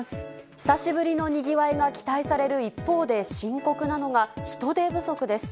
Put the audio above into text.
久しぶりのにぎわいが期待される一方で、深刻なのが、人手不足です。